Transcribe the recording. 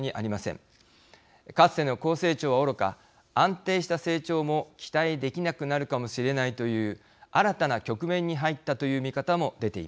かつての高成長はおろか安定した成長も期待できなくなるかもしれないという新たな局面に入ったという見方も出ています。